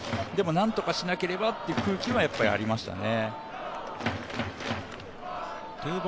なんとかしなければっていう空気はありましたね。